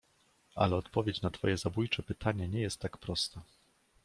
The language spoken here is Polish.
"Ale odpowiedź na twoje zabójcze pytanie nie jest tak prosta."